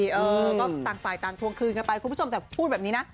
เออก็ต่างฝ่ายต่างทวงคืนกันไปคุณผู้ชมแต่พูดแบบนี้นะ